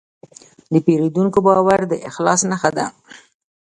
د پیرودونکي باور د اخلاص نښه ده.